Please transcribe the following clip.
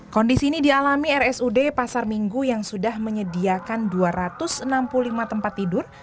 kondisi ini dialami rsud pasar minggu yang sudah menyediakan dua ratus enam puluh lima tempat tidur